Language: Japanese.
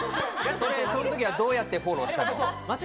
その時はどうやってフォローしたの？